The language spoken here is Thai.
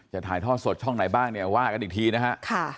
ถ่ายทอดสดช่องไหนบ้างเนี่ยว่ากันอีกทีนะฮะ